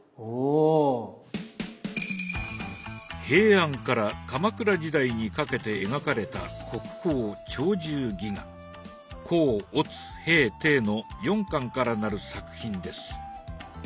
平安から鎌倉時代にかけて描かれた国宝甲乙丙丁の４巻からなる作品です。